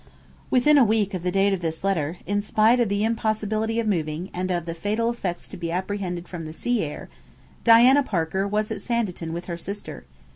Within a week of the date of this letter, in spite of the impossibility of moving, and of the fatal effects to be apprehended from the sea air, Diana Parker was at Sanditon with her sister.